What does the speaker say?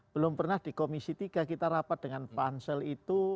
belum pernah di komisi tiga kita rapat dengan pansel itu